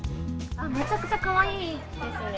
めちゃくちゃかわいいですね。